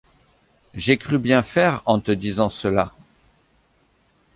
J'ai cru bien faire en te disant cela.